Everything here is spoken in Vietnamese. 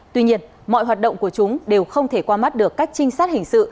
tuy nhiên mọi hoạt động của chúng đều không thể qua mắt được các trinh sát hình sự